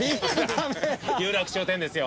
有楽町店ですよ